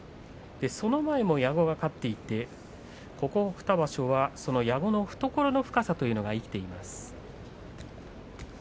その前も矢後が勝っていてここ２場所は矢後の懐の深さが生きています。